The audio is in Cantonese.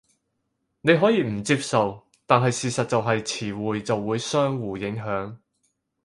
你可以唔接受，但係事實就係詞彙就會相互影響